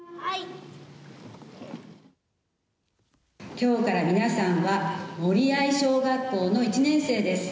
きょうから皆さんは森合小学校の一年生です。